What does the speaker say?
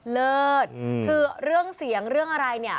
เลิศคือเรื่องเสียงเรื่องอะไรเนี่ย